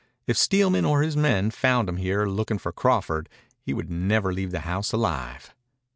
If Steelman or his men found him here looking for Crawford he would never leave the house alive.